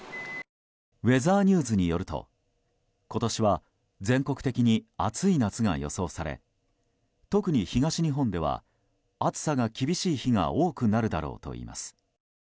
ウェザーニューズによると今年は全国的に暑い夏が予想され特に東日本では暑さが厳しい日が多くなるだろうといいます。